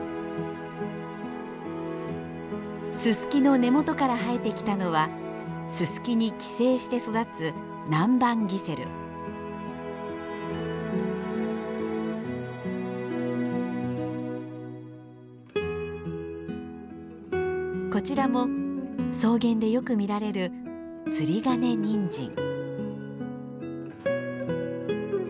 ススキの根元から生えてきたのはススキに寄生して育つこちらも草原でよく見られるツリガネニンジン。